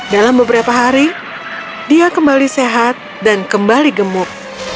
dalam beberapa hari dia kembali sehat dan kembali gemuk